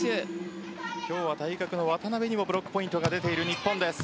今日は対角の渡邊にもブロックポイントが出ている日本です。